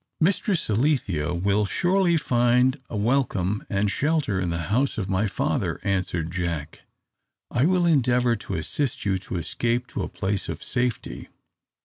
"Mistress Alethea will surely find a welcome and shelter in the house of my father," answered Jack. "I will endeavour to assist you to escape to a place of safety.